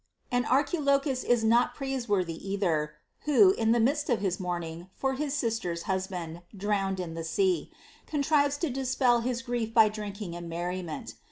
And Archilochus is not praiseworthy either, who, in the midst of his mourning for his sister's husband drowned in the sea, contrives to dispel his grief by drinking and merriment.